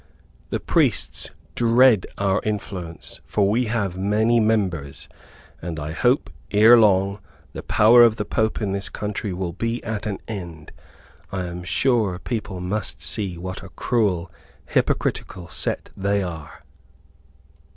The priests dread our influence, for we have many members, and I hope ere long, the power of the Pope in this country will be at an end. I am sure people must see what a cruel, hypocritical set they are."